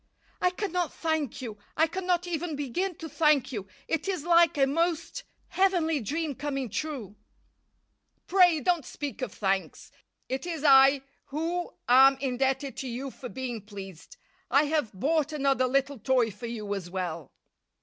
"I cannot thank you I cannot even begin to thank you. It is like a most heavenly dream coming true." "Pray don't speak of thanks. It is I who am indebted to you for being pleased. I have bought another little toy for you as well."